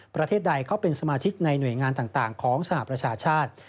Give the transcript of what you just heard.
ประเทศใดเขาเป็นสมาชิกในหน่วยงานต่างของสหประชาชาติ